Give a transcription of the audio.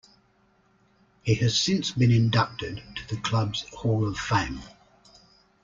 He has since been inducted to the club's Hall of Fame.